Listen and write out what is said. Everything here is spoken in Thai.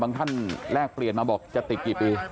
ท่านแลกเปลี่ยนมาบอกจะติดกี่ปี